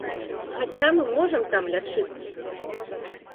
Хаця мы можам там лячыцца.